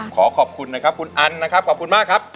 ขอขอบคุณนะครับคุณอันนะครับขอบคุณมากครับ